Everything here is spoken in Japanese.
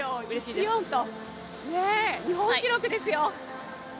３０秒１４と、日本記録ですよ。